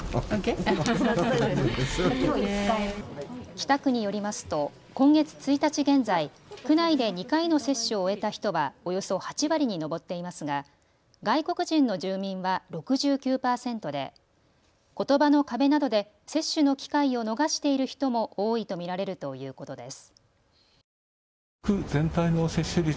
北区によりますと今月１日現在、区内で２回の接種を終えた人はおよそ８割に上っていますが外国人の住民は６９％でことばの壁などで接種の機会を逃している人も多いと見られるということです。